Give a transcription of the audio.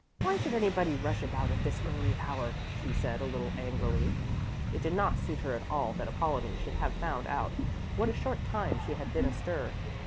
"Why should anybody rush about at this early hour," she said a little angrily. It did not suit her at all that Apollonie should have found out what a short time she had been astir.